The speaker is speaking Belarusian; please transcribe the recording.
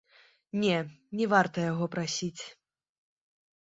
Не, не варта яго прасіць.